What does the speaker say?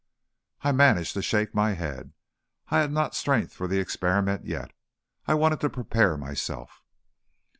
I managed to shake my head. I had not strength for the experiment yet. I wanted to prepare myself.